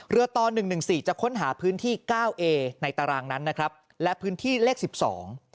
ต่อหนึ่งหนึ่งสี่จะค้นหาพื้นที่เก้าเอในตารางนั้นนะครับและพื้นที่เลขสิบสอง